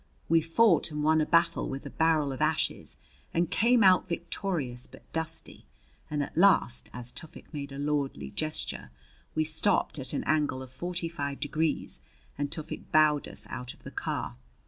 We fought and won a battle with a barrel of ashes and came out victorious but dusty; and at last, as Tufik made a lordly gesture, we stopped at an angle of forty five degrees and Tufik bowed us out of the car.